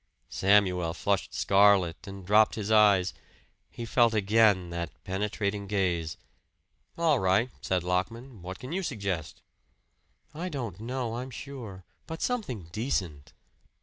Samuel flushed scarlet and dropped his eyes. He felt again that penetrating gaze. "All right," said Lockman. "What can you suggest?" "I don't know, I'm sure. But something decent."